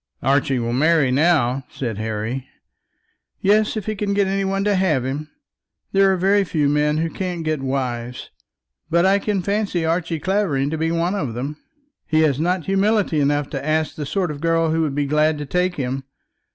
"Archie will marry now," said Harry. "Yes; if he can get any one to have him. There are very few men who can't get wives, but I can fancy Archie Clavering to be one of them. He has not humility enough to ask the sort of girl who would be glad to take him.